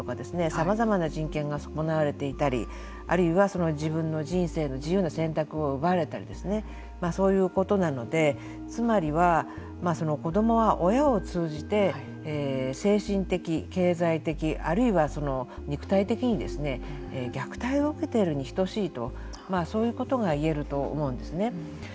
さまざまな人権が損なわれていたりあるいは自分の人生の自由な選択を奪ったりそういうことなのでつまりは子どもは親を通じて精神的、経済的あるいは肉体的に虐待を受けているにひとしいとそういうことが言えると思うんですね。